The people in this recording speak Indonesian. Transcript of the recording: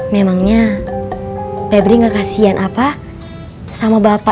memangnya febri nggak kasian apa sama bapak dan mama